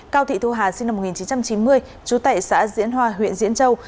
cao thị thu hà sinh năm một nghìn chín trăm chín mươi chú tại xã diễn hòa huyện diễn châu